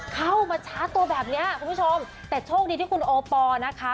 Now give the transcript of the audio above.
เข้ามาช้าตัวแบบเนี้ยคุณผู้ชมแต่โชคดีที่คุณโอปอล์นะคะ